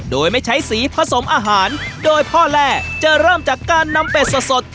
โดยไม่ใช้สีผสมอาหารโดยพ่อแร่จะเริ่มจากการนำเป็ดสด